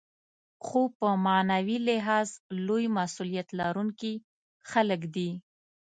خو په معنوي لحاظ لوی مسوولیت لرونکي خلک دي.